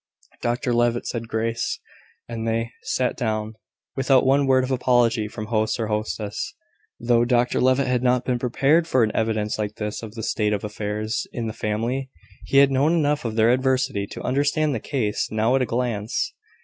Dr Levitt said grace, and they sat down, without one word of apology from host or hostess. Though Dr Levitt had not been prepared for an evidence like this of the state of affairs in the family, he had known enough of their adversity to understand the case now at a glance.